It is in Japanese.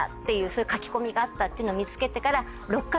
そういう書き込みがあったっていうのを見つけてから。